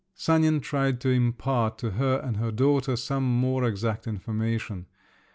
Sanin tried to impart to her and her daughter some more exact information.